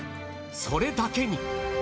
それだけに。